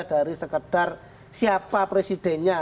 dari sekedar siapa presidennya